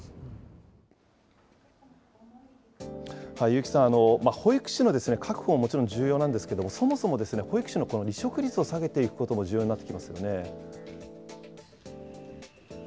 結城さん、保育士の確保ももちろん重要なんですけども、そもそも保育士の離職率を下げていくことも重要になってきますよね。